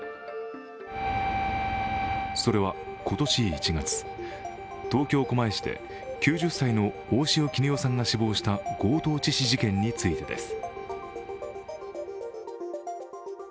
それは今年１月、東京・狛江市で９０歳の大塩衣与さんが死亡した強盗致死事件についてです。